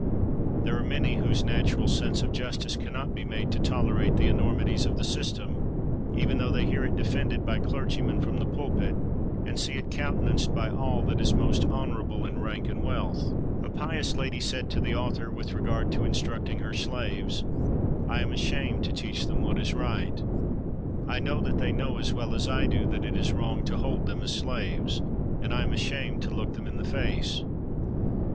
There are many whose natural sense of justice cannot be made to tolerate the enormities of the system, even though they hear it defended by clergymen from the pulpit, and see it countenanced by all that is most honorable in rank and wealth. A pious lady said to the author, with regard to instructing her slaves, "I am ashamed to teach them what is right; I know that they know as well as I do that it is wrong to hold them as slaves, and I am ashamed to look them in the face."